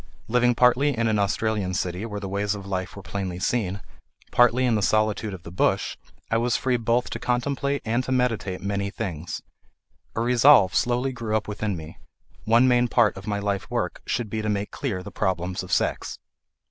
Living partly in an Australian city where the ways of life were plainly seen, partly in the solitude of the bush, I was free both to contemplate and to meditate many things. A resolve slowly grew up within me: one main part of my life work should be to make clear the problems of sex.